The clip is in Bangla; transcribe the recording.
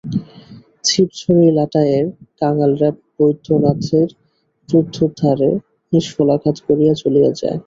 ছিপ ছড়ি লাটাইয়ের কাঙালরা বৈদ্যনাথের রুদ্ধদ্বারে নিষ্ফল আঘাত করিয়া চলিয়া যায়।